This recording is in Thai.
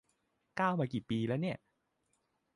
ก้าวมากี่ปีแล้วเนี่ย